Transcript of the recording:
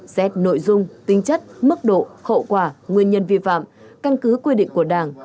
xét nội dung tinh chất mức độ khẩu quả nguyên nhân vi phạm căn cứ quy định của đảng